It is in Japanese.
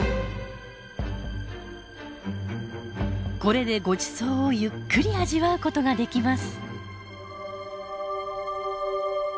これでごちそうをゆっくり味わうことができます。